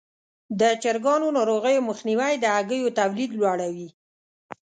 د چرګانو ناروغیو مخنیوی د هګیو تولید لوړوي.